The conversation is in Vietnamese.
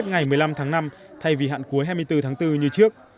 ngày một mươi năm tháng năm thay vì hạn cuối hai mươi bốn tháng bốn như trước